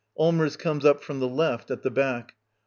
Allmers comes up from the left, at the back.